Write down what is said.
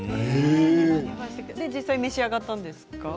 実際に召し上がったんですか？